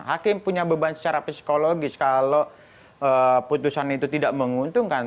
hakim punya beban secara psikologis kalau putusan itu tidak menguntungkan